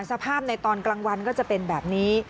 สภาพในตอนกลางวันก็จะเป็นแบบนี้